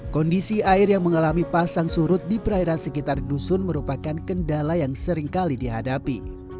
kondisi air yang mengalami pasang surut di perairan sekitar dusun merupakan kendala yang seringkali dihadapi